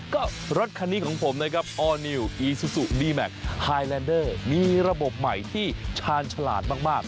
ก็รถคันนี้ของผมนะครับออร์นิวอีซูซูดีแมคไฮแลนเดอร์มีระบบใหม่ที่ชาญฉลาดมาก